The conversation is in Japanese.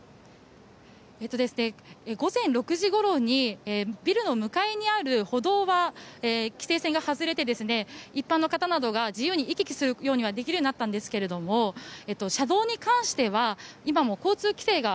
午前６時ごろにビルの向かいにある歩道は規制線が外れて一般の方などが自由に行き来することができるようになったんですが車道に関しては今も交通規制が。